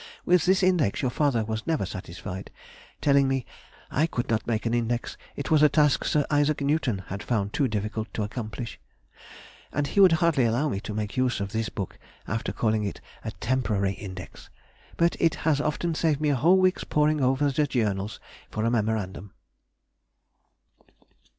With this Index your father was never satisfied, telling me, "I could not make an Index, it was a task Sir I. Newton had found too difficult to accomplish," ... and he would hardly allow me to make use of this book, after calling it a temporary Index. But it has often saved me a whole week's poring over the Journals for a memorandum....